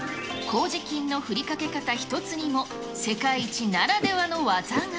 こうじ菌のふりかけ方一つにも、世界一ならではの技が。